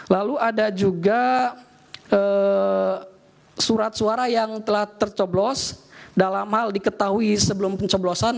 lalu ada juga surat suara yang telah tercoblos dalam hal diketahui sebelum pencoblosan